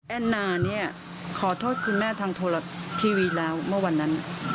แอนนาขอโทษคุณแม่ทางโทรศาสตร์ทีวีแล้วเมื่อวันนั้น